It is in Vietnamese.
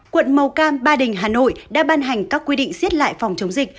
quận màu cam ba đình hà nội đã ban hành các quy định xiết lại phòng chống dịch